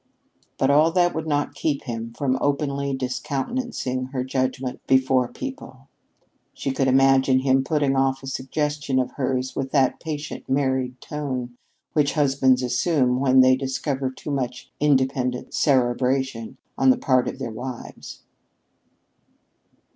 But all that would not keep him from openly discountenancing her judgment before people. She could imagine him putting off a suggestion of hers with that patient married tone which husbands assume when they discover too much independent cerebration on the part of their wives.